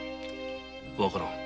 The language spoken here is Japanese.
わからぬ。